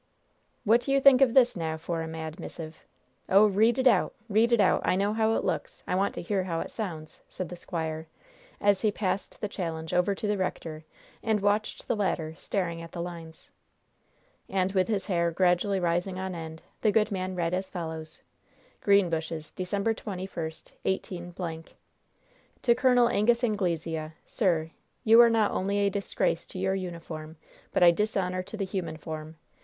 "What do you think of this, now, for a mad missive? Oh, read it out read it out! I know how it looks! I want to hear how it sounds!" said the squire, as he passed the challenge over to the rector, and watched the latter staring at the lines. And, with his hair gradually rising on end, the good man read as follows: "Greenbushes, December 21, 18 , "To Col. Angus Anglesea Sir: You are not only a disgrace to your uniform, but a dishonor to the human form!